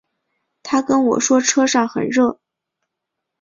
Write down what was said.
她跟我说车上很热